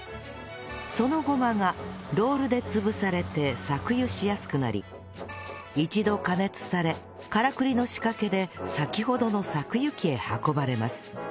そのごまがロールで潰されて搾油しやすくなり一度加熱されからくりの仕掛けで先ほどの搾油機へ運ばれます